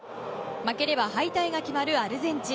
負ければ敗退が決まるアルゼンチン。